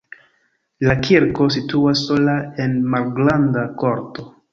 La kirko situas sola en malgranda korto.